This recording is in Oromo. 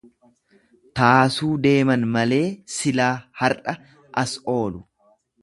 Taasuu deeman malee silaa har'a as oolu.